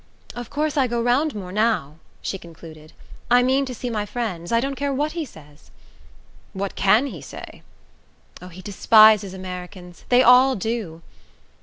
"Of course I go round more now," she concluded. "I mean to see my friends I don't care what he says." "What CAN he say?" "Oh, he despises Americans they all do."